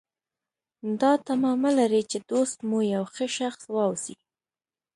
دا تمه مه لرئ چې دوست مو یو ښه شخص واوسي.